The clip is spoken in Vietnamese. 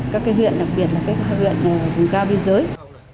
các huyện đặc biệt là các huyện vùng cao biên giới